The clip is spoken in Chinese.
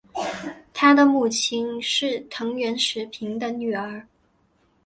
他的母亲是藤原时平的女儿。